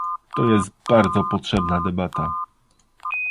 To jest bardzo potrzebna debata